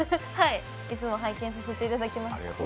いつも拝見させていただいてます。